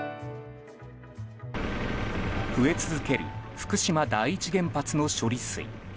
増え続ける福島第一原発の処理水。